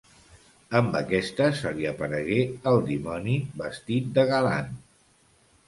Amb aquestes, se li aparegué el dimoni vestit de galant.